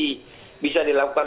di hal kebijakan diskresi